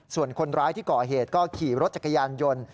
ส่วนคนร้ายที่ก่อเหตุก็ขี่รถจักรยานยนต์